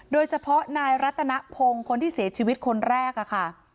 โดยเฉพาะนายรัตนพงศ์คนที่เสียชีวิตคนแรกค่ะ